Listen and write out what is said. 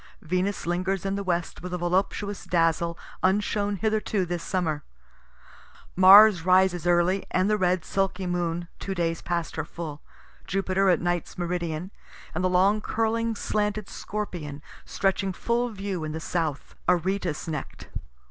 Venus lingers in the west with a voluptuous dazzle unshown hitherto this summer. Mars rises early, and the red sulky moon, two days past her full; Jupiter at night's meridian, and the long curling slanted Scorpion stretching full view in the south, Aretus neck'd.